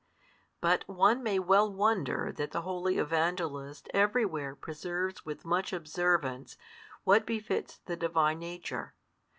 But one may well wonder that the holy Evangelist every where preserves with much observance what befits the Divine Nature.